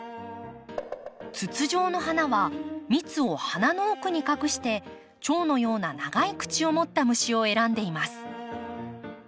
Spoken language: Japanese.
筒状の花は蜜を花の奥に隠してチョウのような長い口をもった虫を選んでいます。